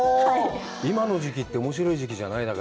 今の時期っておもしろい時期じゃない？